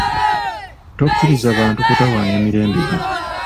Tokkiriza bantu kutawaanya mirembe gyo.